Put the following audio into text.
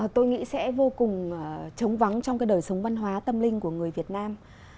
tôi nghĩ sẽ vô cùng trống vắng trong cái đời sống văn hóa tâm linh của người việt nam